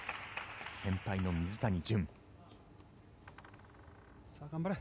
先輩の水谷隼。